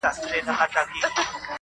يا يې شکل بدل سي